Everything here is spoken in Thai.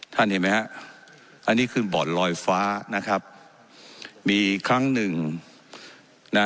เห็นไหมฮะอันนี้คือบ่อนลอยฟ้านะครับมีครั้งหนึ่งนะ